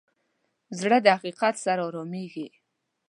زړه د حقیقت سره ارامېږي.